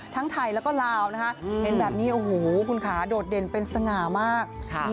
ทั้งไทยแล้วก็ลาวนะคะเห็นแบบนี้โอ้โหคุณขาโดดเด่นเป็นสง่ามาก